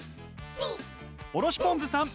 おろしぽんづさん